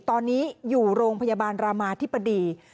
ตอนนี้อยู่โรงพยาบาลรามาธิบดี